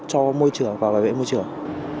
cho môi trường và bảo vệ môi trường